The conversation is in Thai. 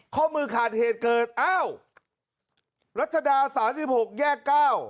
ข้อมือขาดเหตุเกิดอ้าวรัชดา๓๖แยก๙